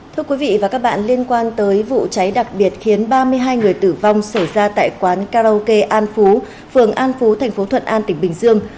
thưa quý vị và các bạn liên quan tới vụ cháy đặc biệt khiến ba mươi hai người tử vong xảy ra tại quán karaoke an phú phường an phú thành phố thuận an tỉnh bình dương